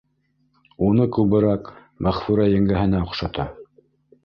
Уны күберәк Мәғфүрә еңгәһенә оҡшата.